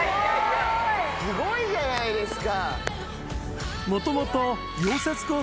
すごいじゃないですか！